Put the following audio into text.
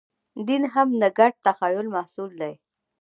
دین هم د ګډ تخیل محصول دی.